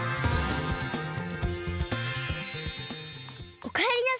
おかえりなさい。